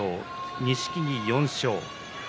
錦木が４勝。